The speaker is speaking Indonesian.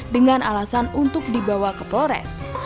dengan alasan untuk dibawa ke polres